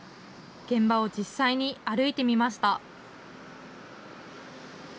現場を実際に歩いてみました。